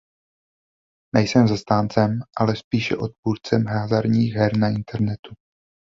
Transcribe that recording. Nejsem zastáncem, ale spíše odpůrcem hazardních her na internetu.